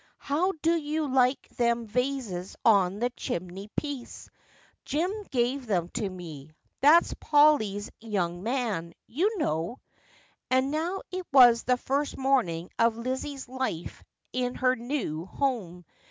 How do you like them vases on the chimley piece ] Jim gave them to me ; that's Polly's young man, you know.' And now it was the first morning of Lizzie's life in her new home.